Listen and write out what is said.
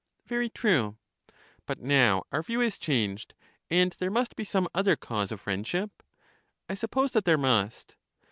Very true. But now our view is changed, and there must be some other cause of friendship? I suppose that there must.